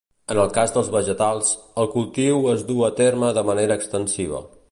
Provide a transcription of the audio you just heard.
En el cas dels vegetals, el cultiu es duu a terme de manera extensiva.